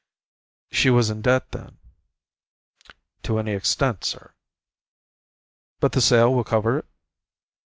"She was in debt, then?" "To any extent, sir." "But the sale will cover it?"